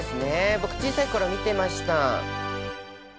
僕小さい頃見てました。